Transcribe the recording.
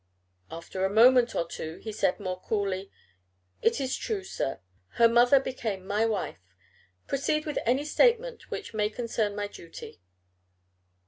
After a moment or two he said more coolly, "It is true, sir. Her mother became my wife. Proceed with any statement which may concern my duty."